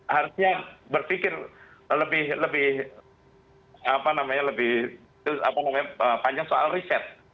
harusnya berpikir lebih apa namanya lebih panjang soal riset